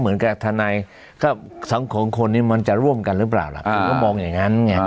เหมือนกันรู้กัน